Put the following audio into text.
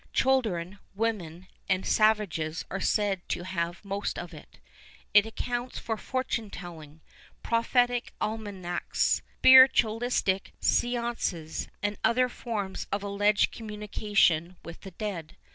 Children, women, and savages are said to have most of it. It accounts for *' fortune telling," prophetic almanacs, spiritualistic seances and other forms of alleged communication with the dead.